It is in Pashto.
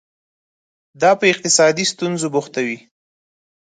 دا په اقتصادي ستونزو بوختوي.